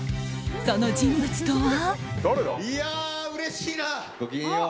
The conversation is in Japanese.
その人物とは。